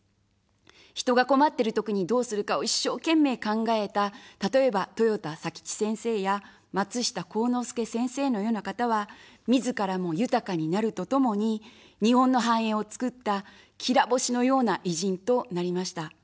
人が困ってるときにどうするかを一生懸命考えた、例えば豊田佐吉先生や松下幸之助先生のような方は、みずからも豊かになるとともに、日本の繁栄をつくった、きら星のような偉人となりました。